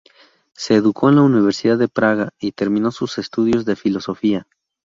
Se educó en la Universidad de Praga y terminó sus estudios de filosofía.